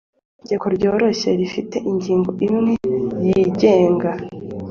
Itegeko ryoroshye rifite ingingo imwe yigenga